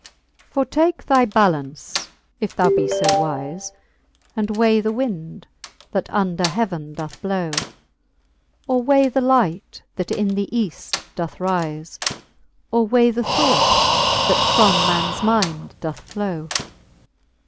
For take thy ballaunce, if thou be fb wile, And weigh the winde, that under heaven doth blow ; Or weigh the light, that in the Eaft doth rife ; Or weigh the thought, that from man's mind doth flow.